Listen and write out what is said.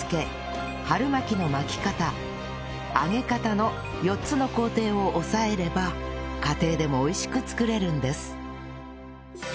の４つの工程を押さえれば家庭でもおいしく作れるんです